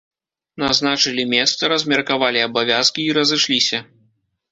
Назначылі месца, размеркавалі абавязкі і разышліся.